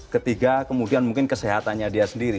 ketiga kemudian mungkin kesehatannya dia sendiri